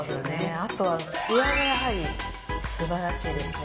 あとはツヤがやはりすばらしいですね。